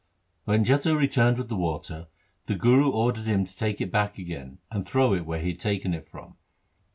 When Jetha returned with the water, the Guru ordered him to take it. back again, and throw it where he had taken it from.